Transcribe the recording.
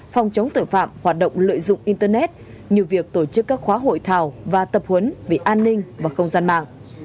phòng chống tội phạm hoạt động lợi dụng internet như việc tổ chức các khóa hội thảo và tập huấn về an ninh và không gian mạng